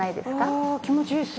ああ気持ちいいです。